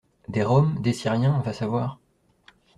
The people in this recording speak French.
Des Roms, des Syriens, va savoir.